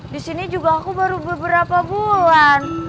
di sini juga aku baru beberapa bulan